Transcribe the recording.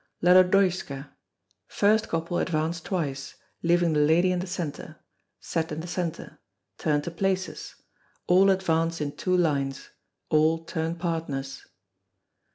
La Lodoiska. First couple advance twice, leaving the lady in the centre set in the centre turn to places all advance in two lines all turn partners.